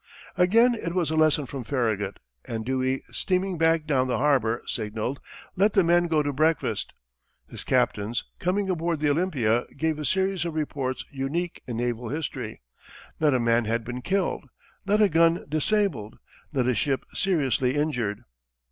'" Again it was a lesson from Farragut, and Dewey, steaming back down the harbor, signalled "Let the men go to breakfast." His captains, coming aboard the Olympia, gave a series of reports unique in naval history. Not a man had been killed, not a gun disabled, not a ship seriously injured.